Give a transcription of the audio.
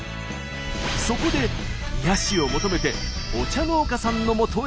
そこで癒やしを求めてお茶農家さんのもとへ向かいます。